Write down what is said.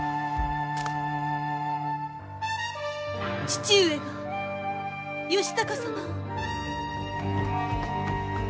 父上が義高様を。